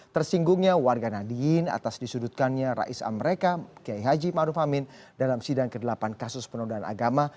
tersinggungnya warga nadine atas disudutkannya rais amerika kiai haji ma'ruf amin dalam sidang ke delapan kasus penodaan agama